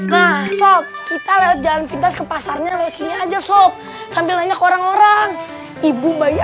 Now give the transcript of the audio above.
nah sop kita lewat jalan pintas ke pasarnya lewat sini aja sop sambil nanya ke orang orang ibu bayi